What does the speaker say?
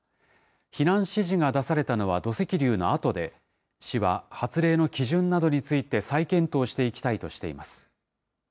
避難指示が出されたのは土石流のあとで、市は発令の基準などについて再検討していきたいとしています。